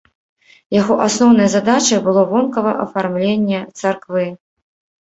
Яго асноўнай задачай было вонкава афармленне царквы.